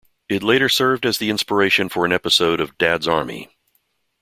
It later served as the inspiration for an episode of Dad's Army.